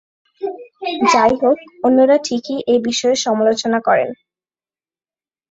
যাই হোক, অন্যরা ঠিকই এ বিষয়ে সমালোচনা করেন।